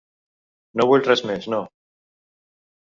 No vull res mes no.